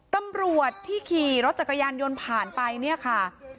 ตำรวจที่ขี่รถจักรยานยนต์ผ่านไปเนี่ยค่ะ